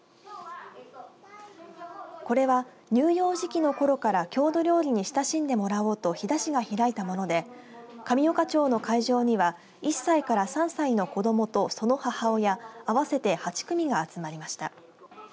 これは乳幼児期の頃から郷土料理に親しんでもらおうと飛騨市が開いたもので神岡町の会場には１歳から３歳の子どもとその母親合わせて８組が集まりました。